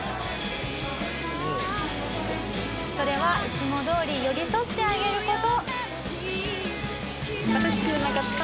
それはいつもどおり寄り添ってあげる事。